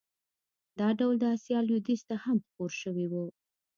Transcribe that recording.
دا ډول د اسیا لوېدیځ ته هم خپور شوی و.